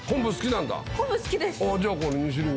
昆布好きです。